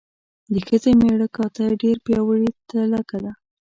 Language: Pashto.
د ښځې مړه کاته ډېره پیاوړې تلکه ده.